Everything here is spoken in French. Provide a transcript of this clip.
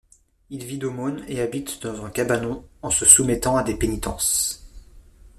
Il vit d'aumônes et habite dans un cabanon en se soumettant à des pénitences.